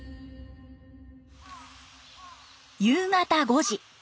夕方５時。